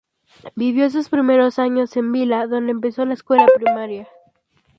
Vivió sus primeros años en Vila, donde empezó la escuela primaria.